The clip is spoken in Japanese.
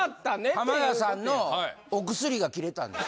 浜田さんのお薬が切れたんです。